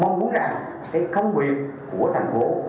mong muốn rằng cái công việc của thành phố